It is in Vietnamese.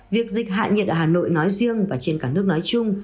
việc dịch hạ nhiệt ở hà nội nói riêng và trên cả nước nói chung